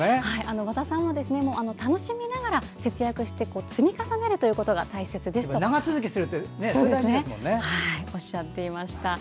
和田さんも、楽しみながら節約を積み重ねることが大切ですとおっしゃっていました。